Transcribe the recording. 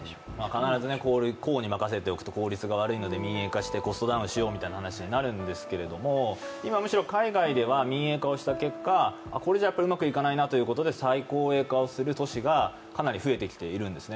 必ず公に任せておくと駄目なので民営化して、コストダウンしようみたいな話になるんですけど、今むしろ海外では、民営化した結果これではうまくいかないかということで再公営化するという国がかなり増えてきているんですね。